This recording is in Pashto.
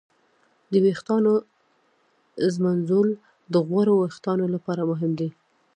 د ویښتانو ږمنځول د غوړو وېښتانو لپاره مهم دي.